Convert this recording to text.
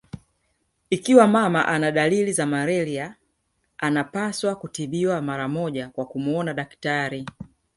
Ikiwa mama ana dalili za malaria anapaswa kutibiwa mara moja kwa kumuona daktari